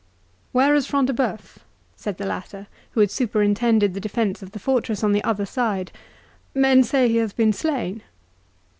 "Where is Front de Bœuf?" said the latter, who had superintended the defence of the fortress on the other side; "men say he hath been slain."